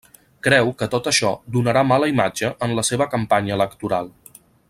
Creu que tot això donarà mala imatge en la seva campanya electoral.